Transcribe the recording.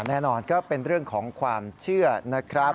แน่นอนก็เป็นเรื่องของความเชื่อนะครับ